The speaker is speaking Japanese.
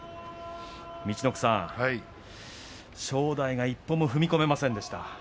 陸奥さん、正代が一歩も踏み込めませんでした。